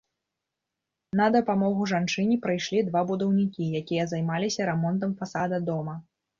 На дапамогу жанчыне прыйшлі два будаўнікі, якія займаліся рамонтам фасада дома.